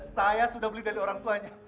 saya sudah beli dari orang tuanya